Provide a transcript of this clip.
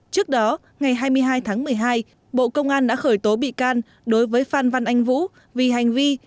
trước đó ngày hai mươi hai tháng một mươi hai bộ công an đã khởi tố bị can đối với phan văn anh vũ vì hành vi